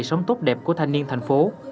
sống tốt đẹp của thanh niên thành phố